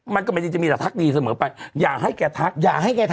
มันก็ไม่ได้จะมีแต่ทักดีเสมอไปอย่าให้แกทักอย่าให้แกท